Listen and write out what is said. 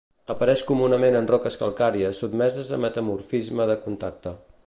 Apareix comunament en roques calcàries sotmeses a metamorfisme de contacte.